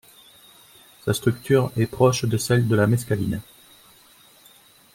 Sa structure est proche de celle de la mescaline.